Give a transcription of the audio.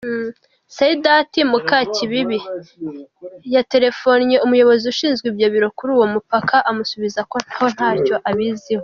Saidati Mukakibibi yatelefonnye umuyobozi ushinzwe ibyo biro kuri uwo mupaka amusubiza ko ntacyo abiziho.